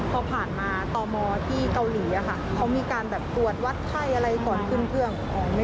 พอผ่านมาตมที่เกาหลีเขามีการแบบตรวจวัดไข้อะไรก่อนขึ้นเครื่อง